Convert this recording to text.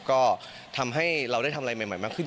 ก็ทำให้เราได้ทำอะไรใหม่มากขึ้น